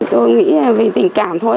tôi nghĩ vì tình cảm thôi